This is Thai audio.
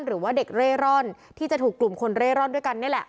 หรือว่าเด็กเร่ร่อนที่จะถูกกลุ่มคนเร่ร่อนด้วยกันนี่แหละ